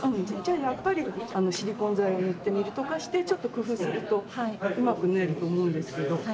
じゃあやっぱりシリコン剤を塗ってみるとかしてちょっと工夫するとうまく縫えると思うんですけど。